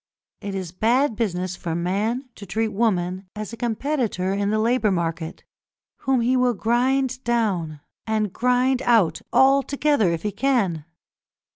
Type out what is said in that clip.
It is bad business for man to treat woman as a competitor in the labour market, whom he will grind down and grind out altogether if he can.